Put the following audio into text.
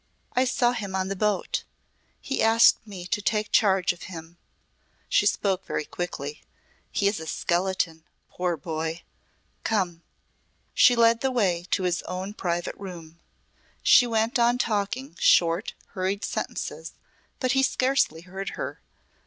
I saw him on the boat. He asked me to take charge of him," she spoke very quickly. "He is a skeleton, poor boy. Come." She led the way to his own private room. She went on talking short hurried sentences, but he scarcely heard her.